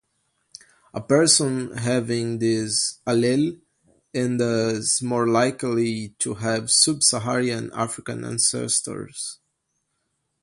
A person having this allele is thus more likely to have Sub-Saharan African ancestors.